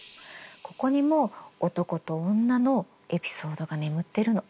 ここにも男と女のエピソードが眠ってるの。